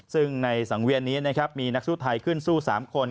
ซึ่งในสังเวียนนี้นะครับมีนักสู้ไทยขึ้นสู้๓คน